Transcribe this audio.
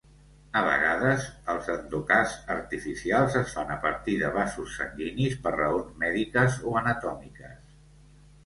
A vegades, els endocasts artificials es fan a partir de vasos sanguinis per raons mèdiques o anatòmiques.